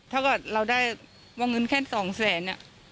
ถ้าเกิดเราได้วงเงินแค่๒แสน